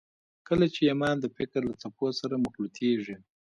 کله چې ایمان د فکر له څپو سره مخلوطېږي